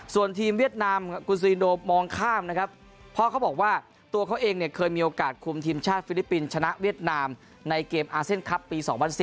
ส่วนทีมเวียดนามกุญซีโดมองข้ามนะครับเพราะเขาบอกว่าตัวเขาเองเนี่ยเคยมีโอกาสคุมทีมชาติฟิลิปปินส์ชนะเวียดนามในเกมอาเซียนคลับปี๒๐๑๐